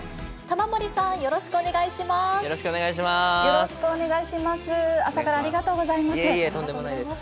玉森さん、よろしくお願いします。